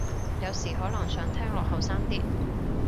有時可能想聽落後生啲